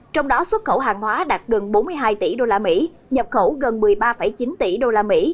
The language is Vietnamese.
trong đó xuất khẩu hàng hóa đạt gần bốn mươi hai tỷ usd nhập khẩu gần một mươi ba chín tỷ usd